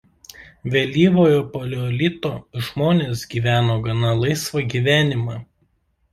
Vėlyvojo paleolito žmonės gyveno gana laisvą gyvenimą.